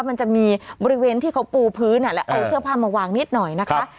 มันจะมีบริเวณที่เขาปูพื้นแล้วเอาเสื้อผ้ามาวางนิดหน่อยนะคะ